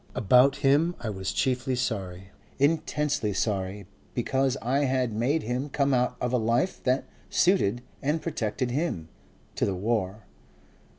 About him I was chiefly sorry, intensely sorry, because I had made him come out of a life that suited and protected him, to the war.